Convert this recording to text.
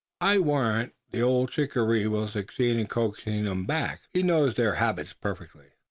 I warrant the old shikaree will succeed in coaxing them back. He knows their habits perfectly."